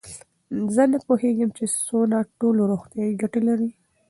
زه نه پوهېږم چې سونا ټول روغتیایي ګټې لري.